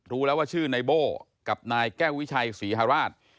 รู้แล้วว่าชื่อนายโบ้กับนายแก้ววิชัยศรีฮราช